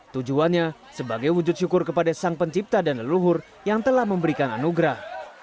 tujuannya sebagai wujud syukur kepada sang pencipta dan leluhur yang telah memberikan anugerah